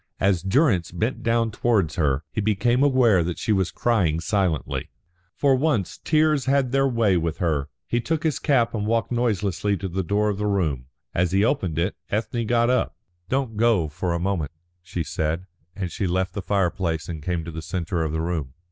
As Durrance bent down towards her, he became aware that she was crying silently. For once tears had their way with her. He took his cap and walked noiselessly to the door of the room. As he opened it, Ethne got up. "Don't go for a moment," she said, and she left the fireplace and came to the centre of the room.